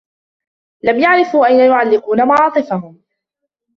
لم يعرفوا أين يعلّقون معاطفهم.